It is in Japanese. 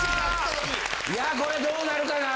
いやこれどうなるかな。